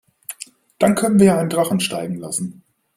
Dann können wir ja einen Drachen steigen lassen.